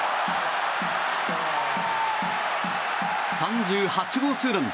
３８号ツーラン！